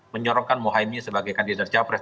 menyorokkan mohaimi sebagai kandidat capres